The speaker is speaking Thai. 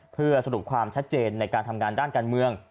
เพื่อสรุปความชัดเจนในการทำงานด้านการเมือง